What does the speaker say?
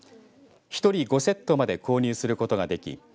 １人５セットまで購入することができ